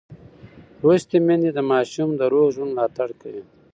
لوستې میندې د ماشوم د روغ ژوند ملاتړ کوي.